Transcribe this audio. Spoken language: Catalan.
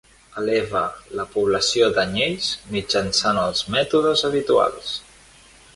Eleva la població d'anyells mitjançant els mètodes habituals.